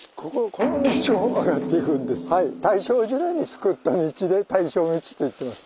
大正時代に作った道で大正道といってます。